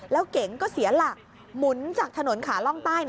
แล้วเก๋งก็เสียหลักหมุนจากถนนขาล่องใต้